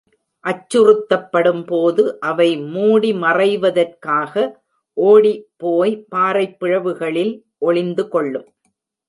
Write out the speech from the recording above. அச்சுறுத்தப்படும் போது, அவை மூடிமறைவதற்காக ஓடி போய், பாறைப் பிளவுகளில் ஒளிந்து கொள்ளும்.